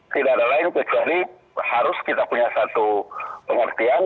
tidak ada lain kecuali harus kita punya satu pengertian